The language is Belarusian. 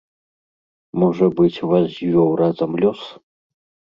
Можа быць, вас звёў разам лёс?